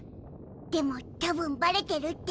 でも多分バレてるって。